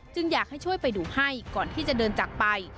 อยากให้ช่วยไปดูให้ก่อนที่จะเดินจากไป